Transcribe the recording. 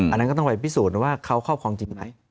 อันนั้นก็ต้องไปพิสูจน์ว่าเขาครอบครองจริงไหม